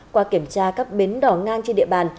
qua kiểm tra các bến đỏ ngang trên địa bàn